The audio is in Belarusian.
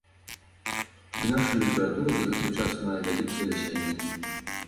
І наша літаратура за гэты час мае вялікія дасягненні.